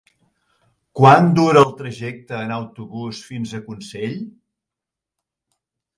Quant dura el trajecte en autobús fins a Consell?